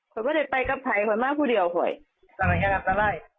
ก็ไม่ได้ไปกับไทยค่ะมาก็ไม่ได้อยู่ค่ะ